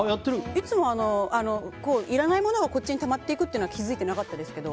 いつもいらないものはこっちにたまっていくっていうのは気づいてなかったですけど